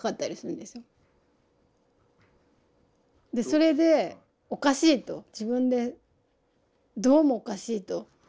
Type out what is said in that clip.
それでおかしいと自分でどうもおかしいと。